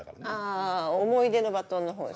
あ思い出のバトンのほう？